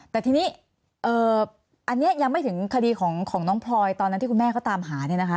แต่ทีนี้อันนี้ยังไม่ถึงคดีของน้องพลอยตอนนั้นที่คุณแม่เขาตามหาเนี่ยนะคะ